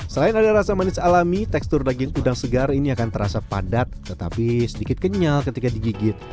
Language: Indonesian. selain ada rasa manis alami tekstur daging udang segar ini akan terasa padat tetapi sedikit kenyal ketika digigit